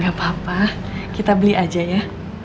gak apa apa kita beli aja ya